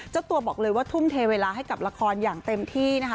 เจ้าตัวบอกเลยว่าทุ่มเทเวลาให้กับละครอย่างเต็มที่นะคะ